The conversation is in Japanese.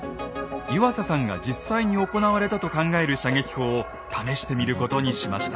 湯浅さんが実際に行われたと考える射撃法を試してみることにしました。